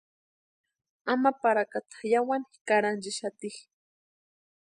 Ama parakata yáwani karhanchixati.